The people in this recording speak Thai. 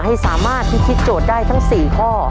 ให้สามารถพิธีโจทย์ได้ทั้ง๔ข้อ